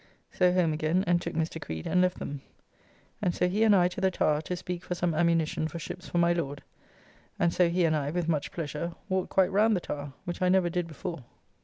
So home again, and took Mr. Creed and left them, and so he and I to the Towre, to speak for some ammunition for ships for my Lord; and so he and I, with much pleasure, walked quite round the Towre, which I never did before.